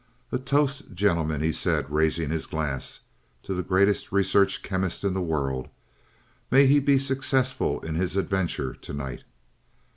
"A toast, gentlemen," he said, raising his glass. "To the greatest research chemist in the world. May he be successful in his adventure to night."